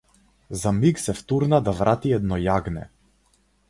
За миг се втурна да врати едно јагне.